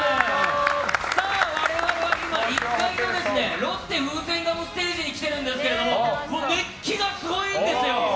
我々は今、１階のロッテふせんガムステージに来ているんですが熱気がすごいんです。